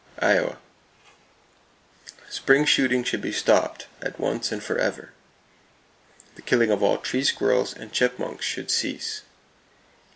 Iowa: Spring shooting should be stopped, at once and forever. [Page 281] The killing of all tree squirrels and chipmunks should cease.